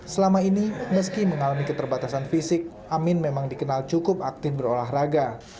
selama ini meski mengalami keterbatasan fisik amin memang dikenal cukup aktif berolahraga